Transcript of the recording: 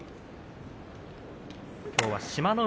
きょうは志摩ノ